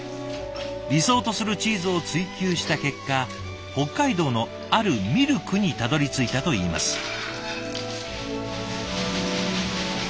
理想とするチーズを追求した結果北海道のあるミルクにたどりついたといいます。